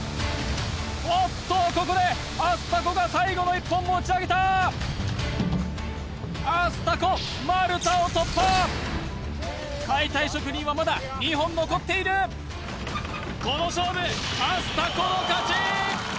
おっとここでアスタコが最後の１本持ち上げたアスタコ丸太を突破解体職人はまだ２本残っているこの勝負アスタコの勝ち！